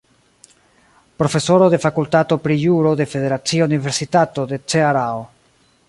Profesoro de Fakultato pri Juro de Federacia Universitato de Cearao.